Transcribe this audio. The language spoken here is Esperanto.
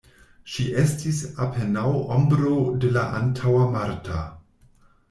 Ŝi estis apenaŭ ombro de la antaŭa Marta.